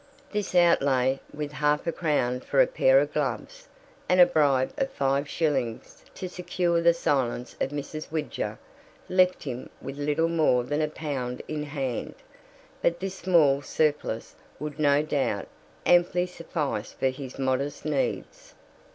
This outlay, with half a crown for a pair of gloves, and a bribe of five shillings to secure the silence of Mrs. Widger, left him with little more than a pound in hand, but this small surplus would no doubt amply suffice for his modest needs.